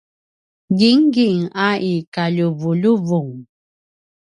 gingging a i kaljuvuljuvung